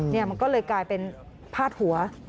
นี่มันก็เลยกลายเป็นพาดหัว